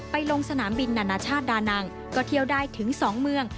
ลงสนามบินนานาชาติดานังก็เที่ยวได้ถึง๒เมือง